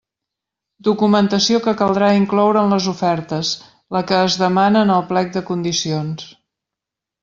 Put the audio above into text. Documentació que caldrà incloure en les ofertes: la que es demana en el plec de condicions.